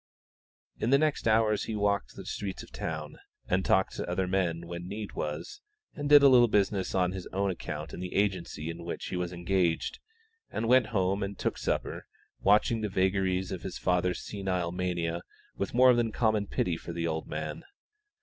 In the next hours he walked the streets of the town, and talked to other men when need was, and did a little business on his own account in the agency in which he was engaged, and went home and took supper, watching the vagaries of his father's senile mania with more than common pity for the old man.